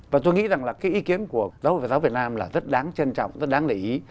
và tôi nghĩ rằng là cái ý kiến của giáo hội phật giáo việt nam là rất đáng trân trọng rất đáng để ý